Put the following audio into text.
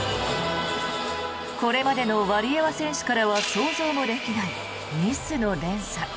これまでのワリエワ選手からは想像もできないミスの連鎖。